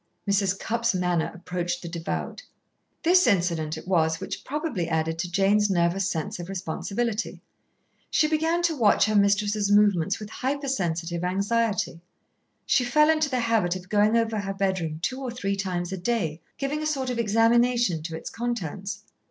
Mrs. Cupp's manner approached the devout. This incident it was which probably added to Jane's nervous sense of responsibility. She began to watch her mistress's movements with hyper sensitive anxiety. She fell into the habit of going over her bedroom two or three times a day, giving a sort of examination to its contents.